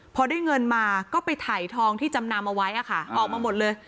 พอได้เงินมาก็ไปถ่ายทองที่จำนำเอาไว้ออกมาหมดเลย